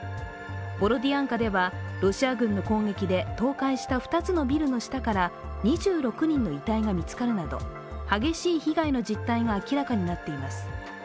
ボロディアンカではロシア軍の攻撃で倒壊した２つのビルの下から２６人の遺体が見つかるなど激しい被害の実態が明らかになっています。